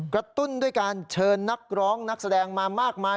ตุ้นด้วยการเชิญนักร้องนักแสดงมามากมาย